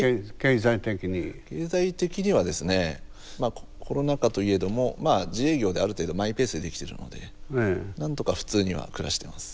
経済的にはですねまっコロナ禍といえどもまあ自営業である程度マイペースにできてるのでなんとか普通には暮らしてます。